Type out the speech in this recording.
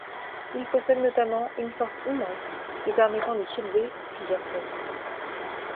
Il possède notamment une force immense lui permettant de soulever plusieurs tonnes.